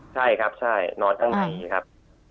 ใช่ครับใช่นอนข้างในครับ